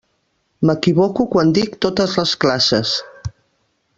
M'equivoco quan dic totes les classes.